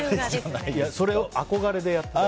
それを憧れでやってたの。